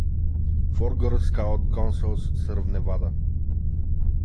Four Girl Scout Councils serve Nevada.